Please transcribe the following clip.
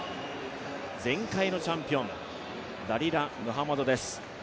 前回のチャンピオンダリラ・ムハマドです。